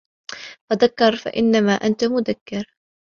فَذَكِّر إِنَّما أَنتَ مُذَكِّرٌ